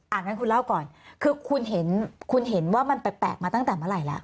อ่างั้นคุณเล่าก่อนคือคุณเห็นว่ามันแปลกมาตั้งแต่เมื่อไหร่ละ